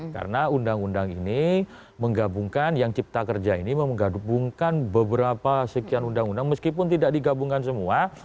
karena undang undang ini menggabungkan yang cipta kerja ini menggabungkan beberapa sekian undang undang meskipun tidak digabungkan semua